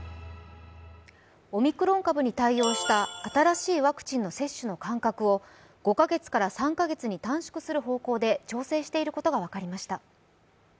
オミクロン株に対応した新しいワクチンの接種の間隔を５か月から３か月に短縮する方向で調整していることが分かりました。